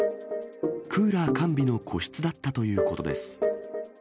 クーラー完備の個室だったということです。